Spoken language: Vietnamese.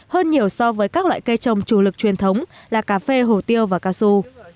hơn nhiều so với các loại cây trồng chủ lực truyền thống là cà phê hồ tiêu và cao su